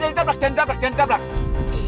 jangan jangan jangan tabrak jangan tabrak jangan